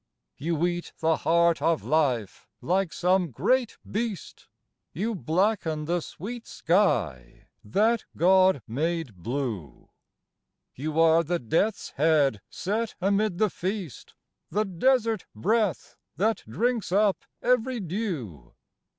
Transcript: You eat the heart of life like some great beast, You blacken the sweet sky â ^that God made blue ! You are the death's head set amid the feast, The desert breath, that drinks up every dew